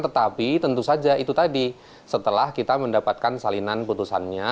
tetapi tentu saja itu tadi setelah kita mendapatkan salinan putusannya